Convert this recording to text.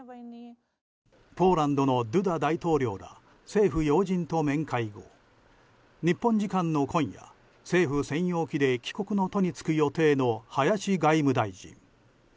ポーランドのドゥダ大統領ら政府要人と面会後日本時間の今夜、政府専用機で帰国の途に就く予定の林外務大臣。